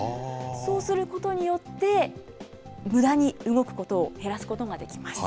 そうすることによって、むだに動くことを減らすことができます。